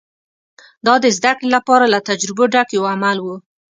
دا د زدهکړې لپاره له تجربو ډک یو عمل و